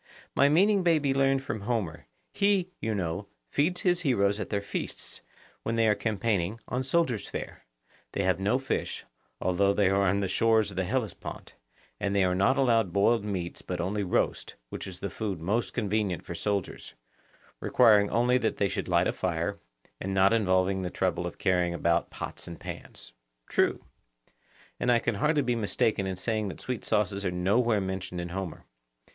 My meaning may be learned from Homer; he, you know, feeds his heroes at their feasts, when they are campaigning, on soldiers' fare; they have no fish, although they are on the shores of the Hellespont, and they are not allowed boiled meats but only roast, which is the food most convenient for soldiers, requiring only that they should light a fire, and not involving the trouble of carrying about pots and pans. True. And I can hardly be mistaken in saying that sweet sauces are nowhere mentioned in Homer.